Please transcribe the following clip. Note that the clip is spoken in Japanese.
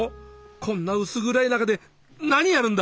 こんな薄暗い中で何やるんだ？